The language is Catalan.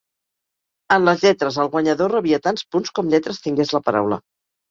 En les lletres, el guanyador rebia tants punts com lletres tingués la paraula.